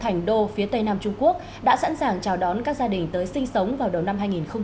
khu rừng thẳng đô phía tây nam trung quốc đã sẵn sàng chào đón các gia đình tới sinh sống vào đầu năm hai nghìn một mươi chín